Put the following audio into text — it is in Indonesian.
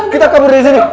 kita kabur dari sini